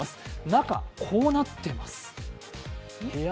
中、こうなっています。